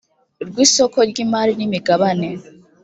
rw isoko ry imari n imigabane